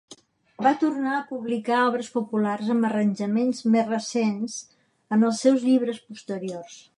Va tornar a publicar obres populars amb arranjaments més recents en els seus llibres posteriors.